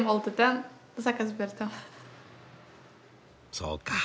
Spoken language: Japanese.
そうか。